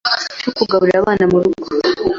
cyo kugaburira abana mu bigo